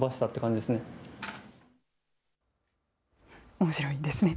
おもしろいですね。